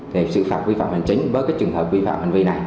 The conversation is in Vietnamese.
thì sự phạt vi phạm hành chính với trường hợp vi phạm hành vi này